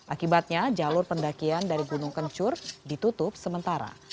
akibatnya jalur pendakian dari gunung kencur ditutup sementara